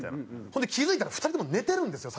ほんで気付いたら２人とも寝てるんですよ